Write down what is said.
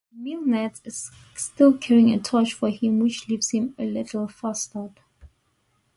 Melnitz is still carrying a torch for him, which leaves him a little flustered.